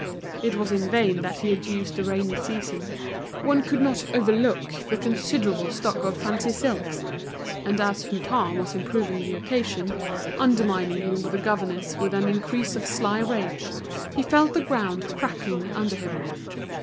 It was in vain that he adduced the rainy season; one could not overlook the considerable stock of fancy silks; and as Hutin was improving the occasion, undermining him with the governors with an increase of sly rage, he felt the ground cracking under him.